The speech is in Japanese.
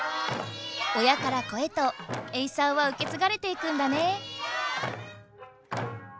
親から子へとエイサーはうけつがれていくんだね。